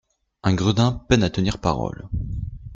Un gredin peine à tenir parole.